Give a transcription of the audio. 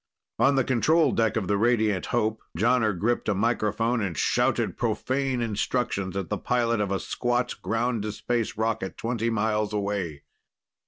On the control deck of the Radiant Hope, Jonner gripped a microphone and shouted profane instructions at the pilot of a squat ground to space rocket twenty miles away.